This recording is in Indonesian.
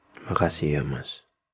terima kasih ya mas